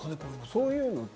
そういうのって